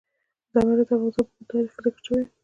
زمرد د افغانستان په اوږده تاریخ کې ذکر شوی دی.